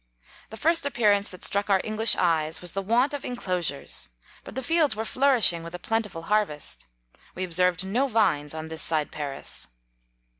The first appearance that struck our English eyes was the want of enclo sures ; but the fields were flourishing with a plentiful harvest. We observed no vines on this side Paris.